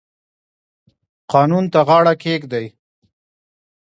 قانون ته غاړه کیږدئ